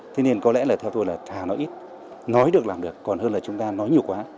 thế nên có lẽ là theo tôi là thà nói ít nói được làm được còn hơn là chúng ta nói nhiều quá